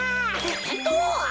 てんとう！